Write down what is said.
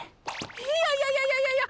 いやいやいやいやいやいや！！